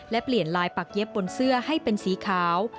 และเปลี่ยนลายปักเย็บบนเสื้อให้เป็นสีขาว